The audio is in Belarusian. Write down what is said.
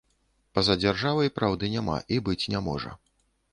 Па-за дзяржавай праўды няма і быць не можа.